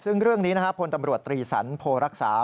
ซึ่งเรื่องนี้นะครับพลตำรวจตรีศัลโพรรักษา